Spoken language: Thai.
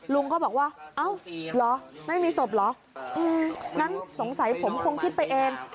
ลุงก็บอกว่าเอ้าเหรอไม่มีศพเหรองั้นสงสัยผมคงคิดไปเอง